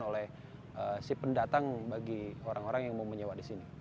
oleh si pendatang bagi orang orang yang mau menyewa di sini